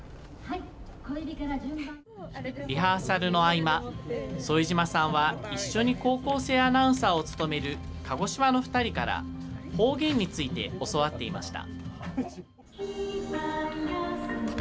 リハーサルの合間、副島さんは一緒に高校生アナウンサーを務める鹿児島の２人から、方言について教わっていました。